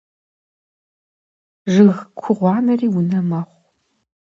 Жыг ку гъуанэри унэ мэхъу.